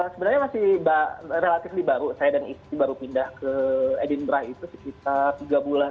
sebenarnya masih relatif baru saya dan istri baru pindah ke edinburgh itu sekitar tiga bulan